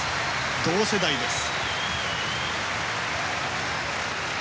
同世代です。